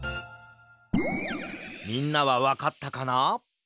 みんなはわかったかな？